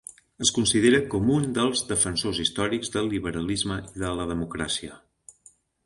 Es considera com un dels defensors històrics del liberalisme i de la democràcia.